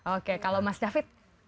oke kalau mas david